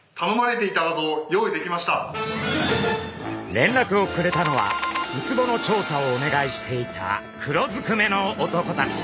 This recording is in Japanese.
れんらくをくれたのはウツボの調査をお願いしていた黒ずくめの男たち。